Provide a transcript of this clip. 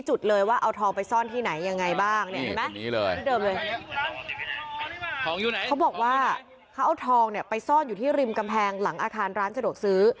เขาบอกว่าเขาเอาทองเนี่ยไปซ่อนอยู่ที่ริมกำแพงหลังอาคารร้านสะดวกซื้อ